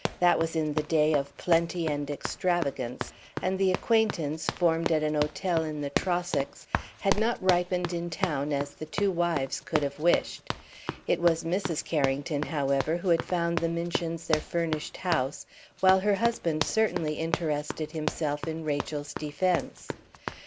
That was in the day of plenty and extravagance; and the acquaintance, formed at an hotel in the Trossachs, had not ripened in town as the two wives could have wished. It was Mrs. Carrington, however, who had found the Minchins their furnished house, while her husband certainly interested himself in Rachel's defence.